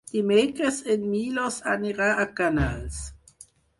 Dimecres en Milos anirà a Canals.